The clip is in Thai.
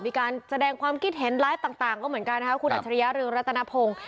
มีการแสดงความคิดเห็นไลฟ์ต่างก็เหมือนกันนะคะคุณอัจฉริยะเรืองรัตนพงศ์